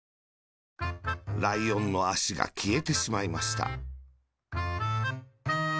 ライオンのあしがきえてしまいました。